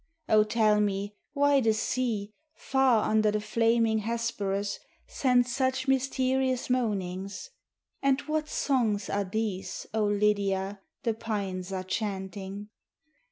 O tell me why the sea, far under the flaming Hesperus Sends such mysterious moanings; and what songs are these, O Lidia, The pines are chanting.